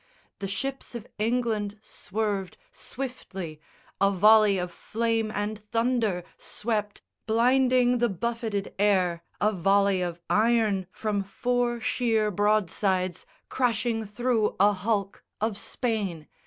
The ships of England swerved Swiftly a volley of flame and thunder swept Blinding the buffeted air, a volley of iron From four sheer broadsides, crashing thro' a hulk Of Spain.